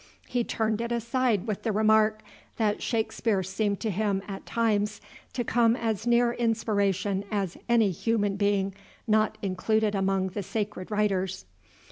He turned it aside with the remark, that Shakespeare seemed to him at times to come as near inspiration as any human being not included among the sacred writers.